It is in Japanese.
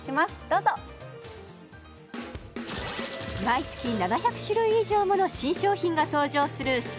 どうぞ毎月７００種類以上もの新商品が登場する